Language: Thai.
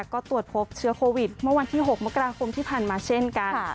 ก็ตรวจพบเชื้อโควิดเมื่อวันที่๖มกราคมที่ผ่านมาเช่นกัน